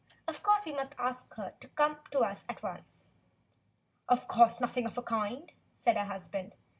Of course we must ask her to come to us at once." "Of course nothing of the kind," said her husband.